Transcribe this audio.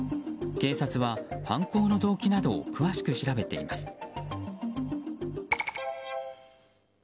警察は犯行の動機などを詳しく調べています。